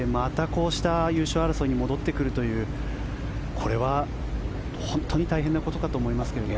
こうした優勝争いに戻ってくるというこれは本当に大変なことかと思いますけど。